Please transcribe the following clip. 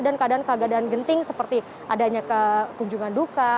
dan keadaan keadaan genting seperti adanya kekunjungan duka